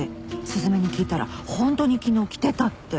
雀に聞いたらホントに昨日着てたって。